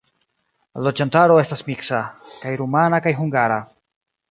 La loĝantaro estas miksa: kaj rumana kaj hungara.